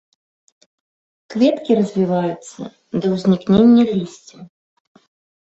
Кветкі развіваюцца да ўзнікнення лісця.